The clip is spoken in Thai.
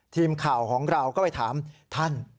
ทีมข่าวของเราก็ไปถามท่าน